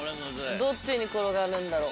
どっちに転がるんだろ。